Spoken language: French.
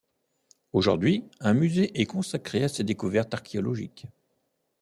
Aujourd’hui, un musée est consacré à ces découvertes archéologiques.